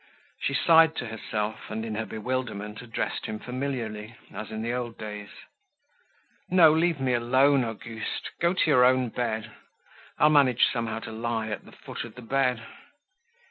She sighed to herself, and, in her bewilderment, addressed him familiarly, as in the old days. "No, leave me alone, Auguste. Go to your own bed. I'll manage somehow to lie at the foot of the bed."